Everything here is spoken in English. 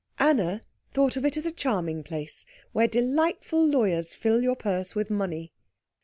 Anna thought of it as a charming place, where delightful lawyers fill your purse with money.